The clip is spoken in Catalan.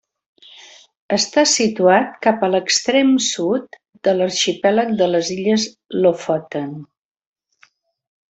Està situat cap a l'extrem sud de l'arxipèlag de les Illes Lofoten.